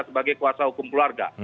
sebagai kuasa hukum keluarga